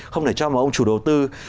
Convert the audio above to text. không thể cho một ông chủ đầu tư